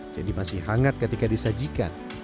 jadi masih hangat ketika disajikan